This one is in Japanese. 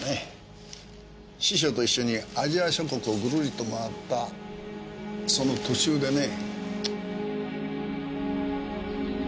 師匠と一緒にアジア諸国をぐるりと回ったその途中でね。